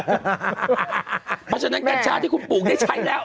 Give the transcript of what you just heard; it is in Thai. เพราะฉะนั้นกัญชาที่คุณปลูกได้ใช้แล้ว